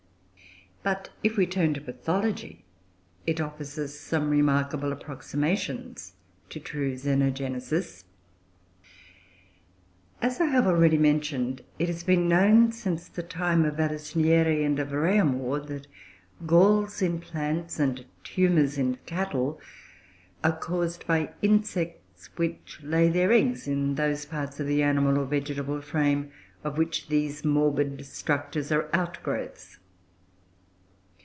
But if we turn to pathology, it offers us some remarkable approximations to true Xenogenesis. As I have already mentioned, it has been known since the time of Vallisnieri and of Réaumur, that galls in plants, and tumours in cattle, are caused by insects, which lay their eggs in those parts of the animal or vegetable frame of which these morbid structures are outgrowths.